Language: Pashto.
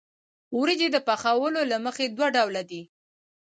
وریجې د پخولو له مخې دوه ډوله دي.